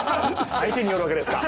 相手によるわけですか。